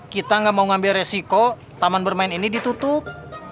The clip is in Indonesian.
kita nggak mau ngambil resiko taman bermain ini ditutup